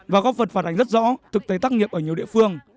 và góp phần phản ánh rất rõ thực tế tác nghiệp ở nhiều địa phương